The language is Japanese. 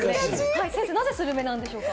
なぜスルメなんでしょうか？